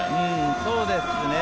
そうですね。